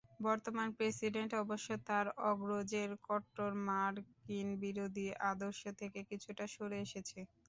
বর্তমান প্রেসিডেন্ট অবশ্য তাঁর অগ্রজের কট্টর মার্কিনবিরোধী আদর্শ থেকে কিছুটা সরে এসেছেন।